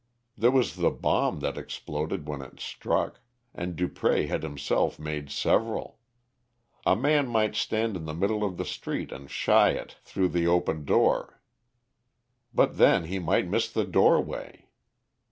There was the bomb that exploded when it struck, and Dupré had himself made several. A man might stand in the middle of the street and shy it in through the open door. But then he might miss the doorway.